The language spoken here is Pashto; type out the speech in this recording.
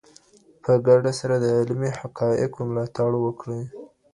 په ګډه سره د علمي حقایقو ملاتړ وکړئ.